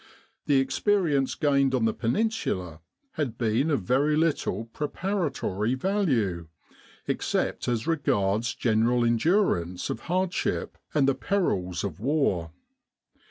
The experience gained on the Peninsula had been of very little preparatory value, except as regards general endurance of hard ship and the perils of war.